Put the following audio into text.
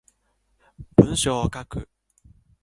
文章を書く